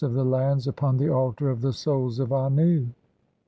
of the lands "upon the altar of the Souls of Annu.